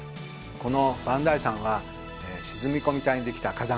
この磐梯山は沈み込み帯にできた火山です。